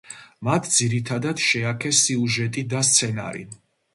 მათ ძირითადად შეაქეს სიუჟეტი და სცენარი.